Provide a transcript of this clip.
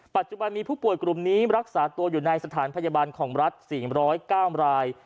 ปัจจุบันมีผู้ป่วยกลุ่มนี้รักษาตัวอยู่ในสถานพยาบาลของรัฐ๔๐๙ราย